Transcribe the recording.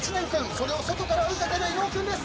それを外から追い掛ける伊野尾君です。